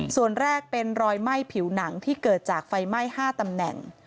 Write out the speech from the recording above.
ส่วนแรกเป็นรอยไหม้ผิวหนังที่เกิดจากไฟไหม้๕ตำแหน่ง